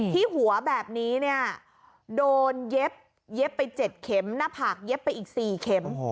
ที่หัวแบบนี้เนี่ยโดนเย็บไป๗เข็มหน้าผากเย็บไปอีก๔เข็ม